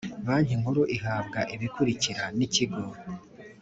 Banki Nkuru ihabwa ibikurikira n ikigo